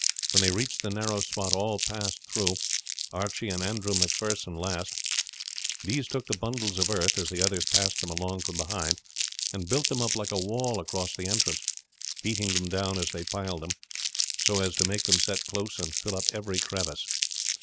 When they reached the narrow spot all passed through, Archie and Andrew Macpherson last; these took the bundles of earth, as the others passed them along from behind, and built them up like a wall across the entrance, beating them down as they piled them, so as to make them set close and fill up every crevice.